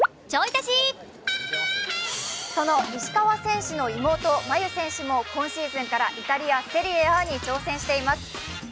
その石川選手の妹・真佑選手も今シーズンからイタリア・セリエＡで挑戦しています。